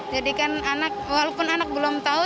jadikan anak walaupun anak belum tahu